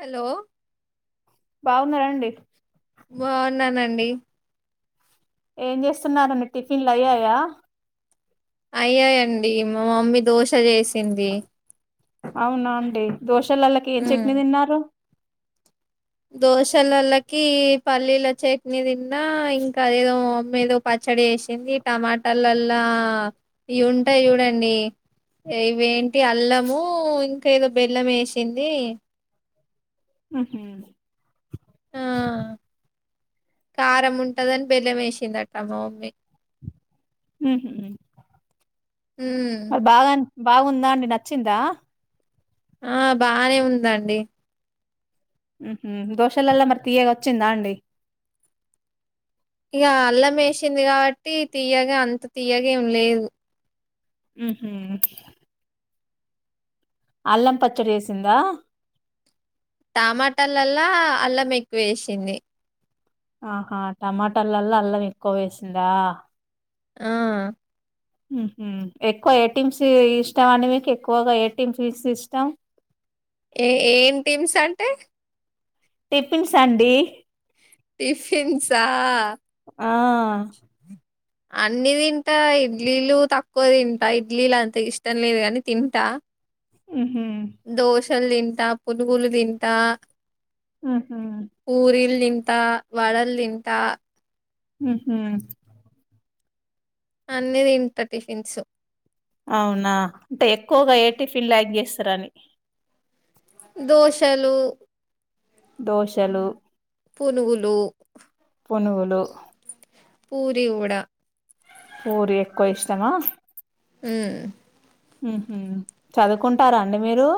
Hello అవునా అండి బావున్నానండి ఏం చేస్తున్నరు మీ టిఫిన్లు అయ్యాయా అయ్యాయండి మా మమ్మీ దోశలు చేసింది అవునా అండి దోశలళ్ళకి ఏం చట్నీ తిన్నారు దోశల అల్లాకి పల్లీలో చట్నీ తిన్నా ఇంకా ఏదేదో మీదో పచ్చడి వేసింది టమాటర్లల్లా ఆ ఇవి ఉంటాయి చూడండి ఇవేంటి అల్లము ఇంకా ఏదో బెల్లం వేసింది ఉహుమ్ ఆ కారం ఉంటందని బెల్లం వేసిందట్టమ్మ మమ్మీ ఉహుమ్ ఉమ్ బాగుందా అండి నచ్చిందా ఆ బానే ఉందండి ఉహుమ్ దోశలలా మరి తీయగా వచ్చిందా అండి ఇక అల్లం వేసింది కాబట్టి తీయగా అంత తీయగా ఏం లేదు ఉహుమ్ అల్లం పచ్చడి చేసిందా టమాటాలలా అల్లం ఎక్కువేసింది ఆహా టమాటలలో అల్లం ఎక్కువ వేసిందా ఆ ఉహుమ్ ఎక్కువ ఏ టీమ్స్ ఇష్టం అండి మీకు ఎక్కువగా ఏ టిమ్స్ ఇష్టం [unintelligible] ఏ ఏం టీమ్స్ అంటే టిఫిన్స్ అండి టిఫిన్స్ ఆ ఆ అన్ని తింటా ఇడ్లీలు తక్కువ తింటా ఇడ్లీలు అంత ఇష్టం లేదు కాని తింటా ఆ ఉహు దోశలు తింటా పునుగులు తింటా ఉహు పూరిల్ తింటా వాడల్ తింటా ఉహుమ్ అన్ని తింటా టిఫిన్స్ అవునా అంటే ఎక్కువగా ఏ టిఫిన్ లైక్ చేస్తారని దోశలు దోశలు పునుగులు పొనుగులు పూరి వడా పూరి ఎక్కువ ఇష్టమా ఊ ఉహు చదువుకుంటారా అండి మీరు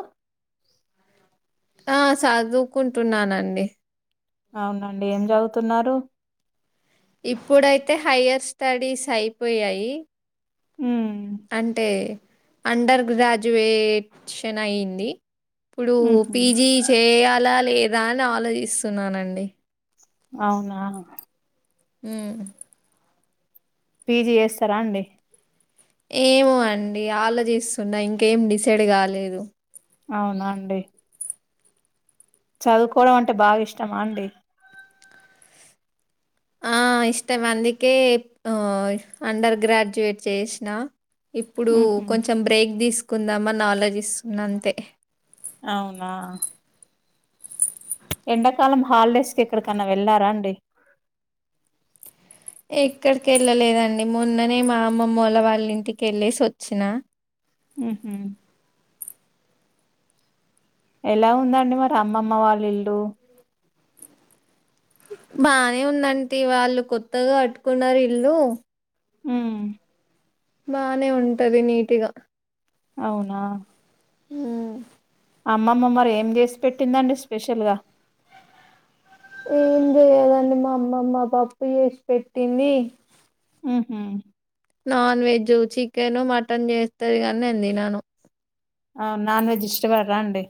ఆ సదువుకుంటున్నానండి అవునండి ఏం చదువుతున్నారు ఇప్పుడైతే హయర్ స్టడీస్ అయిపోయాయి ఉమ్ అంటే అండర్ గ్రాడ్యుయేట్షన్ అయింది ఇప్పుడు ఉహు పీజీ చేయాలా లేదా అని ఆలోచిస్తున్నానండి అవునా ఉ పీజీ చేస్తారా అండి ఏమో అండి ఆలోచిస్తున్నా ఇంకేం డిసైడ్ కాలేదు అవునా అండి చదువుకోవడం అంటే బాగా ఇష్టమా అండి ఆ ఇష్టం అందుకే అండర్ గ్రాడ్యుయేట్ చేసిన ఇప్పుడు ఉహు కొంచెం బ్రేక్ తీసుకుందామనీ ఆలోచిస్తున్న అంతే అవునా ఎండాకాలం హాలిడేస్ కి ఏక్కడికన్నా వెళ్ళారా అండి ఏక్కడికి వెళ్ళలేదండి మొన్ననే మా అమ్మమ్మ ఓళ్ళ వాళ్ళ ఇంటికి వెళ్ళేసి వచ్చినా ఉహు ఎలా ఉందండి మరి అమ్మమ్మ వాళ్ళ ఇల్లు బానే ఉందంటి వాళ్ళు కొత్తగా కట్టుకున్నారు ఇల్లు ఊ బానే ఉంటది నీటిగా అవునా హు అమ్మమ్మ మరి ఏం చేసి పెట్టిందండి స్పెషల్గా ఏం చేయదండి మా అమ్మమ్మ పప్పు చేసి పెట్టింది ఉహు నాన్ వెజ్ చికెను మటన్ చేస్తది కాని నేను తినను ఆ నాన్ వెజ్ ఇష్టపడరా అండి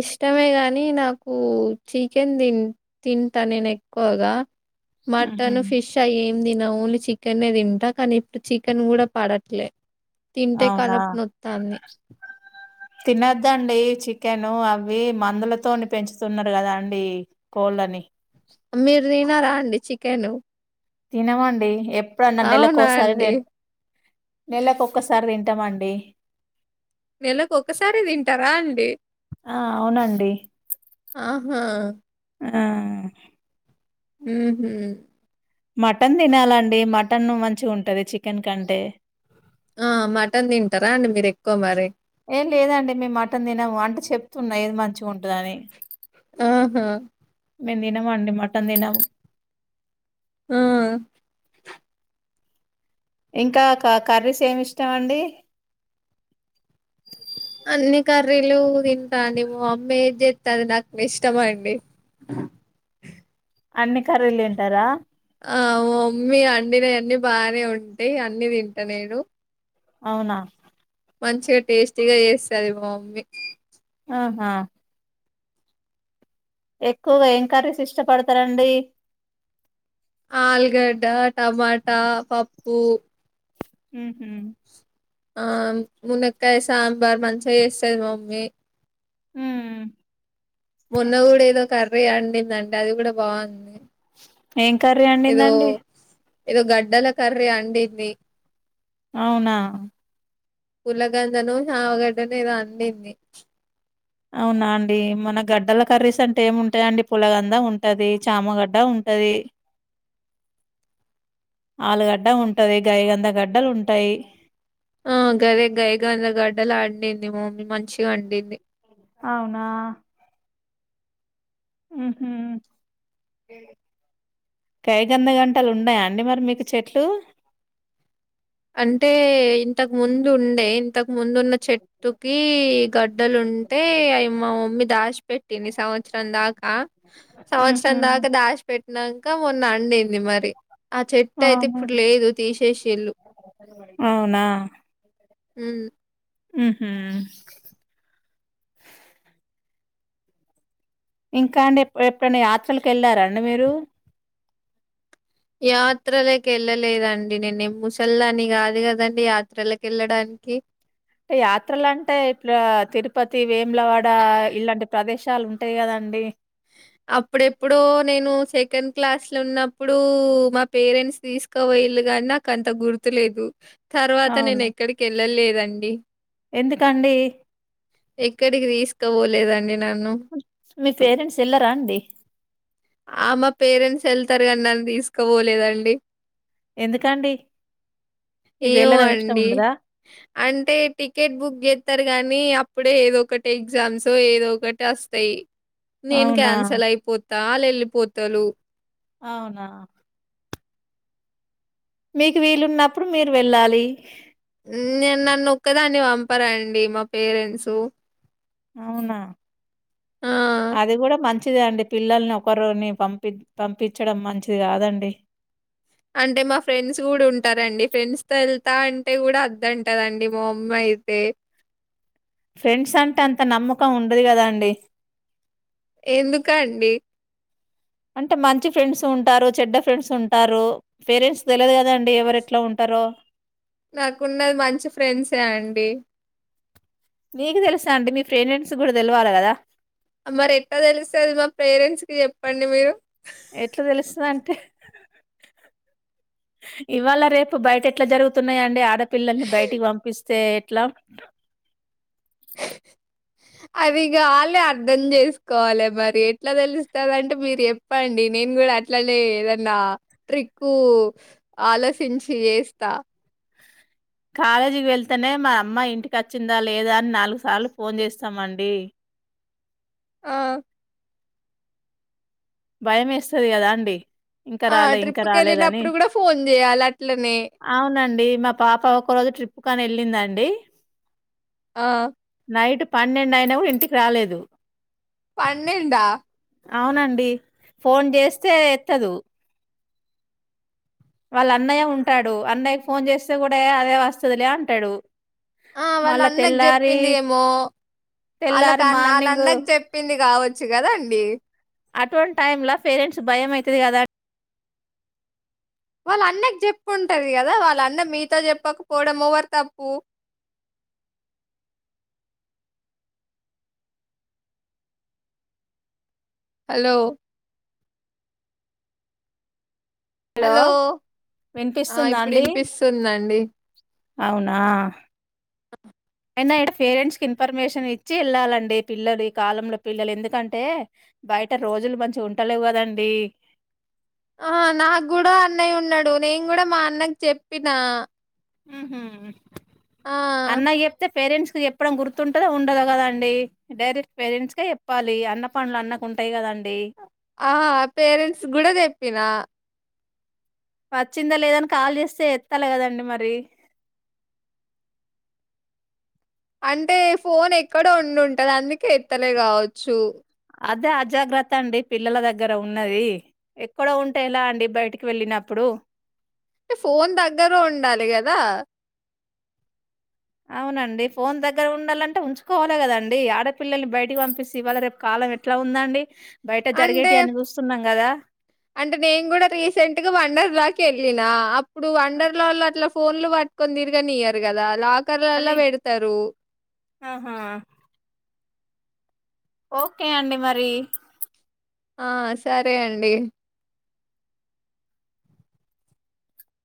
ఇష్టమే గాని నాకు చికెన్ తి తింటా నేను ఎక్కువగా ఉహూ. మటన్ ఫిష్ అయేం తిన ఓన్లీ చికెన్ తింటా కానీ ఇప్పుడు చికెన్ కూడా పడట్లే తింటే అవునా కడుపు నొత్తాంది తనద్దండి చి చికెన్ అవి మందులతోని పెంచుతున్నారు కదా అండి కోళ్ళని మీరు తినారా అండి చికెను తినమండి ఎప్పుడున్నా నెలకు ఒకసారి అండి నెలకు ఒక్కసారి తింటామండి డి నెలకు ఒక్కసారే తింటారా అండి ఆ అవునండి ఆ హా ఆ ఉహు మటన్ తినాలండి మటన్ మంచిగా ఉంటది చికెన్ కంటే ఆ మటన్ తింటారా అండి మీరు ఎక్కువ మరి ఏ లేదండి మేము మటన్ తినము అంటే చెప్తున్నా ఏది మంచిగా ఉంటదని ఆహా మేము తినమా అండి మటన్ తినము ఆ ఇంకా క కర్రీస్ ఏం ఇష్టామండి అన్ని కర్రీలు తింటా అండి మా మమ్మీ ఏది చెత్తే అది నాకు ఇష్టమండి అన్ని కర్రీలు తింటారా ఆ మా మమ్మీ అండినయన్నీ బానే ఉంటాయి అన్ని తింటా నేను అవునా మంచిగా టేస్టీగా చేస్తది మా మమ్మీ ఆహా ఎక్కువగా ఎంకరీస్ ఇష్టపడుతారండి ఆలుగడ్డ టమాటా పప్పు ఉ ఆ మునక్కయ సాంబార్ మంచిగా చేస్తది మమ్మీ ఉ మొన్నగుడ ఏదో కర్రీ అండిందండి అది కూడా బాగుంది ఏం కర్రీ అండిందండి ఏదో గడ్డల కర్రీ అండింది అవునా పులగంధనో చామగడ్డనో ఎదో అండింది అవునా అండి మన గడ్డల కర్రీస్ అంటే ఏముంటాయండి పులగంద ఉంటది చామగడ్డ ఉం టది ఆలుగడ్డ ఉంటది గాయి గంధ గడ్డలు ఉంటాయి ఆ గదే గై గందగడ్డలాండింది మా మమ్మీ మంచి గండింది అవునా ఉహు గై గంద గంటలు ఉన్నాయా అండి మరి మీకు చెట్లు అంటే ఇంతకు ముందు ఉండే ఇంతకు ముందున్న చెట్టుకి గడ్డలుంటే అవి మా మమ్మీ దాస్ పట్టింది సంవత్సరం దాకా ఉహు సంవత్సరం దాకా దాసి పెట్టినా క మొన్న అండింది మరి ఆ చెట్టు అయితే అవును ఇప్పుడు లేదు తీసేసిల్లు అవునా ఉ ఉహు ఇంకా అండి ఎప్ ఎప్పుడనా యాత్రలకు వెళ్ళారండి మీరు యాత్రలకు ఎళ్ళలేదండి నేనేం ముసల్దాని కాదు కదండి యాత్రలకు కేళ్ళడాని కి యాత్రలు అంటే ఇట్ల తిరుపతి వేములవాడ ఇలాంటి ప్రదేశాలు ఉంటాయి కద అండి అప్పుడెప్పుడో నేను సెకన్ క్లాస్ ల ఉన్నప్పుడు మా పేరెంట్స్ తీసుకపోయిళ్ళు కాని నాకు అంత గుర్తులేదు తర్వాత నేను అవును. ఎక్కడికి ఎళ్ళలేదండి ఎందుకండి ఎక్కడికి తీసుకో పోలేదండి నన్ను తేల్ల రా అండి ఆ! మా పేరెంట్స్ వెళ్తారు కానీ నన్ను తీసుక పోలేదండి ఎందుకండి మీకు ఏమో వెళ్ళడం ఇష్టం అండి ఉండదా? అంటే టికెట్ బుక్ చేస్తారు తూత్ గానీ అప్పుడే ఏదో ఒకటి ఎగ్జామ్స్ ఏదో ఒకటి వస్తాయి నేను అవునా? క్యాన్సల్ అయిపోతా ఆళ్ళు వెళ్ళిపోతలు అవునా మీకు వీలు ఉన్నప్పుడు మీరు వెళ్ళాలి నేను నన్ను ఒక్కదాన్ని పంపారా అండి మా పేరెంట్స్ అవునా ఆ! అది కూడా మన్ చిదే అండి పిల్లల్ని ఒకరుని పంపిన్ పంపించడం మంచిది కాదండి అంటే మా ఫ్రెండ్స్ కూడా ఉంటారండి ఫ్రెండ్స్ తో వెళ్తా అంటే కూడా అద్ద అంటదండి మా అమ్మాయి అయితే ఫ్రెండ్స్ అంటే అంత నమ్మకం ఉండదు కదాండి ఎందుకు అండి అంటే మంచి ఫ్రెండ్స్ ఉంటారు చెడ్డ ఫ్రెండ్స్ ఉంటారు పేరెంట్స్ తెలియదు కదండి ఎవరు ఎట్లా ఉంటారు రో నాకు ఉన్నది మంచి ఫ్రెండ్సే అండి మీకు తెలుసా అండి మీ పేరెంట్స్ కి కూడా తెలవాల కదా ఆ మరి ఎట్లా తెలుస్తాది మా పేరెంట్స్ కి చెప్పండి మీరు ఎట్లా తెలుస్తాది అంటే ఇవాళ రేపు బయట ఎట్లా జరుగుతున్నాయిండి ఆడపిల్లల్ని బయటికి పంపిస్తే ఎట్లా ఇ అవి కాలే అర్ధం చేసుకోవాలి మరి ఎట్లా తెలుస్తాది అంటే మీరు చెప్పండి నేను కూడా అట్లనే ఏదన్నా ట్రిక్ ఆలోచించి చేస్తా కాలేజీకి వెళ్తేనే మా అమ్మాయి ఇంటికి వచ్చిందా లేదా అని నాలుగు సార్లు ఫోన్ చేస్తామండి ఆ భయం వేస్తాది కదా అండి ఇంకా ఆ! రాలేదు ఇంక రాలేదని ట్రిప్‌కెళ్ళినప్పుడు గూడా ఫోను జేయాలి అట్లనే. అవునండి మా పాప ఒక రో తు చుట్ కొని వెళ్ళింది అండి ఆ నైటు పన్నెండు అయినా కూడా ఇంటికి రాలేదు పన్నెండు ఆ అవునండి ఫోన్ చేస్తే ఎత్తదు వాళ్ళ అన్నయ్య ఉంటాడు అన్నయ్యకి ఫోన్ చేస్తే కూడా అదే వస్తది లే అంటాడు ఆ వాళ్ళ మళ్ళా అన్నకి తెల్లారి చెప్పింది ఏమో ఆళ్ళకు తెల్లారి ఆ అన్న ఆళ్ల మార్నింగ్ అన్నకి చెప్పింది కావచ్చు కదాండి అటువంటి టైమ్లా పేరెంట్స్ కు భయం అవుతుంది కదా వాళ్ళ అన్నకి చెప్పు ఉంటది కదా వాళ్ళ అన్న మీతో చెప్పకపోవడం ఎవరు తప్పు అ హలో హలో ఆ! వినిపిస్తుందా ఇప్పుడు అండి ఇనిపిస్తుందండి. అవునా అయినా ఇక్కడ పేరెంట్స్ కి ఇన్ఫర్మేషన్ ఇచ్చి వెళ్ళాలండి పిల్లలు ఈ కాలంల పిల్లలు ఎందుకంటే బయట రోజులు మంచిగా ఉంటలేవు కదండి ఆహ నాకు కూడా అన్నయ్య ఉన్నాడు నేను కూడా మా అన్నకు చెప్పినా ఊహు ఆ పేరెంట్స్ కు చెప్పడం గుర్తుంటుందో ఉండదో కదా అండి డైరెక్ట్ పేరంట్స్ కే చెప్పాలి అన్న పనులు అన్నకు ఉంటయి కదండి. ఆ పేరెంట్స్ కూడా చెప్పిన వచ్చిందా లేదని కాల్ చేస్తే ఎత్తాల కదండి మరి అంటే ఫోన్ ఎక్కడో ఉండింటది అందుకే ఎత్తలే కావచ్చు. అదే అజాగ్రత్త అండి పిల్లల దగ్గర ఉన్నది ఎక్కడో ఉంటే ఎలా అండి బయటికి వెళ్ళినప్పుడు. ఫోన్ దగ్గర ఉండాలి కదా. అవునండి ఫోన్ దగ్గర ఉండాలంటే ఉంచుకోవాలి కదండి ఆడపిల్లల్ని బయటకి పంపిసె ఇవాళ రేపు కా లం ఎట్లా ఉందండి. బయట అంటే జరిగేటివి అని చూస్తున్నాం కదా అంటే నేను కూడా రీసెంట్ గా వండర్ లకి వెళ్ళిన అప్పుడు వండర్ లా లో అట్లా ఫోన్లు పట్టుకొని తిరిగనియారు కదా లాక్ ఆకర్లల అది పెడతారు ఆహా ఓకే అండి మరి ఆ సరే అండి